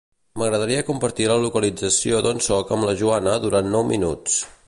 M'agradaria compartir la localització d'on soc amb la Joana durant nou minuts.